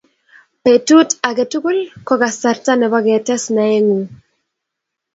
Petut age tugul ko kasarta nebo ketes naengung